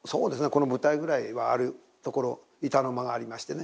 この舞台ぐらいはあるところ板の間がありましてね。